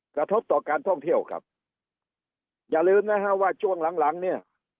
กระทบต่อการท่องเที่ยวครับอย่าลืมนะฮะว่าช่วงหลังหลังเนี่ย